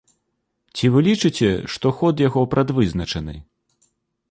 Ці вы лічыце, што ход яго прадвызначаны?